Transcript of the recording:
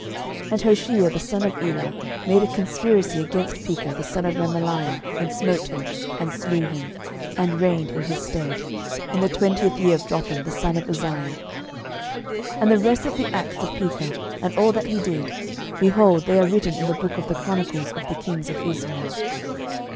12:015:030 And Hoshea the son of Elah made a conspiracy against Pekah the son of Remaliah, and smote him, and slew him, and reigned in his stead, in the twentieth year of Jotham the son of Uzziah. 12:015:031 And the rest of the acts of Pekah, and all that he did, behold, they are written in the book of the chronicles of the kings of Israel.